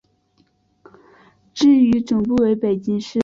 至于总部为北京市。